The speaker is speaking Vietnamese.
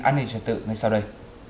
an ninh trò tự ngay sau đây